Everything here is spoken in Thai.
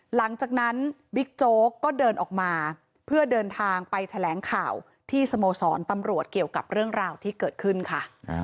หลังจากนั้นบิ๊กโจ๊กก็เดินออกมาเพื่อเดินทางไปแถลงข่าวที่สโมสรตำรวจเกี่ยวกับเรื่องราวที่เกิดขึ้นค่ะ